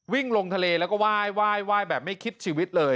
วิ่งลงทะเลแล้วก็ว่ายแบบไม่คิดชีวิตเลย